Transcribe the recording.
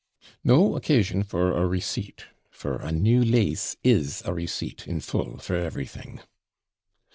'No occasion for a receipt; for a new LASE is a receipt in full for everything.'